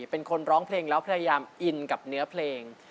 เป็นคนร้องเพลงแล้วพยายามอินกับเนื้อเพลง